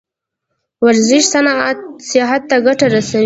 ورزش صحت ته ګټه لري